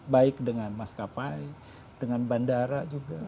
baik dengan maskapai dengan bandara juga